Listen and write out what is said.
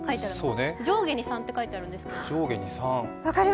上下に３って書いてあるんです。